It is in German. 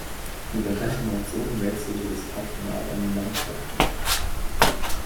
Mit der Reformation wechselte das Patronat an den Landgrafen.